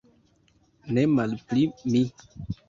Ne malpli mi.